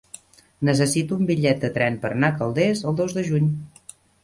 Necessito un bitllet de tren per anar a Calders el dos de juny.